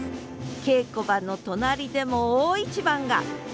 稽古場の隣でも大一番が！